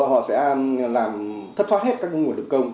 họ sẽ thất thoát hết các nguồn lực công